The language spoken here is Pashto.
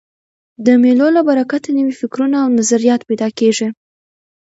د مېلو له برکته نوي فکرونه او نظریات پیدا کېږي.